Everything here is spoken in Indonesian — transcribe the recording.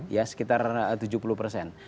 ya sekitar tujuh puluh persen